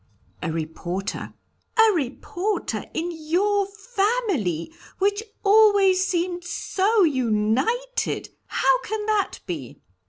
"A reporter." "A reporter in your family, which always seemed so united! How can that be?"